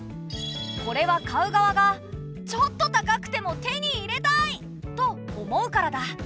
これは買う側が「ちょっと高くても手に入れたい！」と思うからだ。